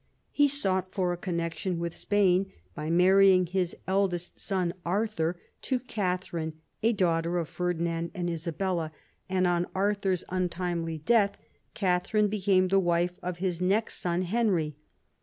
He sought for a connexion with Spain by marrying his eldest son Arthur to Katharine, a daughter pf Ferdinand and Isabella, and on Arthur's untimely death Katharine became the wife of his next son Henry.